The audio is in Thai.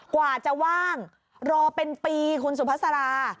กว่าจะว่างรอเป็นปีคุณสุภาษารา